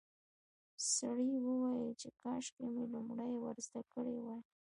سړي وویل چې کاشکې مې لومړی ور زده کړي وای.